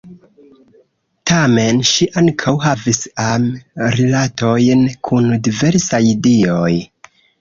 Tamen, ŝi ankaŭ havis am-rilatojn kun diversaj dioj.